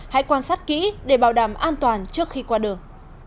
hãy quan sát kỹ để bảo đảm an toàn trước khi qua đường